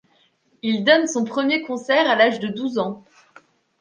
Il donne son premier concert à l'âge de douze ans.